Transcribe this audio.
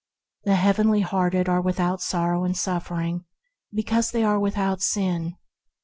The Heavenly minded are without sorrow and suffering because they are without sin.